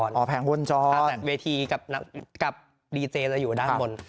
แต่เวทีกับดีเจจะอยู่ด้านบน